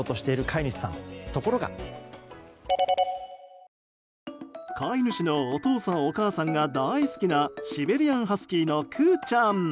飼い主さんのお父さん、お母さんが大好きなシベリアンハスキーのくーちゃん。